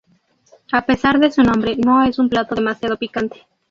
A pesar de su nombre, no es un plato demasiado picante.